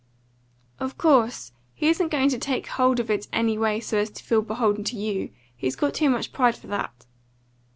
"Of course! He isn't going to take hold of it any way so as to feel beholden to you. He's got too much pride for that."